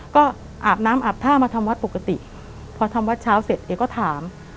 ก็อาบน้ำอาบท่ามาทำวัดปกติพอทำวัดเช้าเสร็จเอก็ถาม